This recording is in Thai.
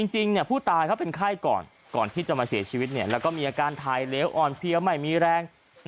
จริงผู้ตายเขาเป็นไข้ก่อนก่อนที่จะมาเสียชีวิตแล้วก็มีอาการทายเลวอ่อนเพลียไม่มีแรง